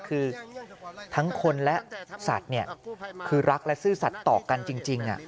คือทั้งคนและสัตว์คือรักและซื่อสัตว์ต่อกันจริง